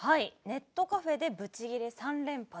「ネットカフェでブチギレ３連発」。